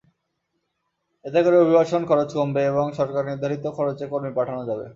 এতে করে অভিবাসন খরচ কমবে এবং সরকারনির্ধারিত খরচে কর্মী পাঠানো যাবে।